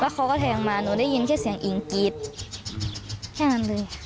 เขาก็แทงมาหนูได้ยินแค่เสียงอิ่งกรี๊ดแค่นั้นเลย